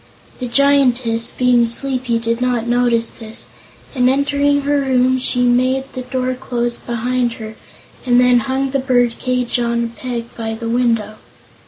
The Giantess, being sleepy, did not notice this, and entering her room she made the door close behind her and then hung the bird cage on a peg by the window.